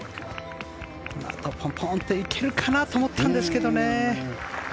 このあとポンポンと行けるかなと思ったんですけどね。